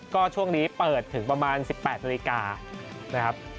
ก็ช่วงนี้เปิดถึงประมาณ๑๘นาฬิกานะครับ